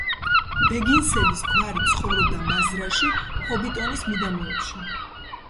ბეგინსების გვარი ცხოვრობდა მაზრაში, ჰობიტონის მიდამოებში.